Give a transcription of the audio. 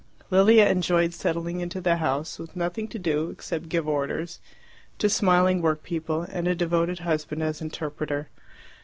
Lilia enjoyed settling into the house, with nothing to do except give orders to smiling workpeople, and a devoted husband as interpreter.